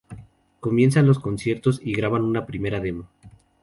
Comienzan los conciertos y graban una primera demo.